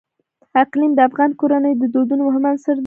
اقلیم د افغان کورنیو د دودونو مهم عنصر دی.